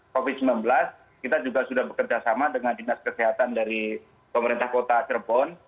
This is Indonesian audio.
kota cirebon kita juga sudah bekerja sama dengan dinas kesehatan dari pemerintah kota cirebon